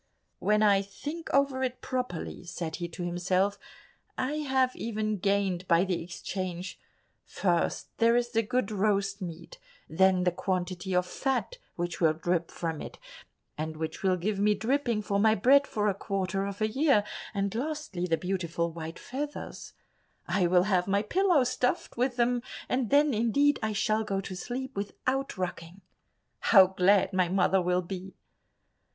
"When I think over it properly," said he to himself, "I have even gained by the exchange; first there is the good roast meat, then the quantity of fat which will drip from it, and which will give me dripping for my bread for a quarter of a year, and lastly the beautiful white feathers; I will have my pillow stuffed with them, and then indeed I shall go to sleep without rocking. How glad my mother will be!"